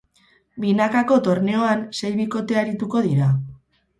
Binakako torneoan sei bikotearituko dira.